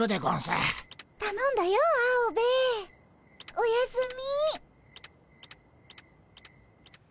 おやすみ。